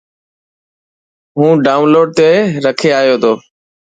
هون ڊائون لوڊ تي رکي آيو تو.